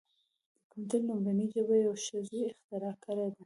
د کمپیوټر لومړنۍ ژبه یوه ښځې اختراع کړې ده.